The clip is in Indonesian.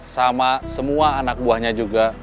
sama semua anak buahnya juga